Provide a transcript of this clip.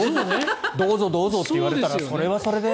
どうぞどうぞって言われたらそれはそれで。